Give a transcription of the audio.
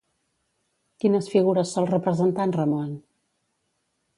Quines figures sol representar en Ramon?